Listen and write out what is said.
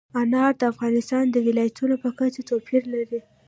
انار د افغانستان د ولایاتو په کچه توپیر لري.